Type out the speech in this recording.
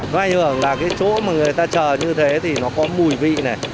nói hưởng là cái chỗ mà người ta chờ như thế thì nó có mùi vị này